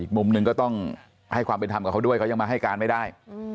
มุมหนึ่งก็ต้องให้ความเป็นธรรมกับเขาด้วยเขายังมาให้การไม่ได้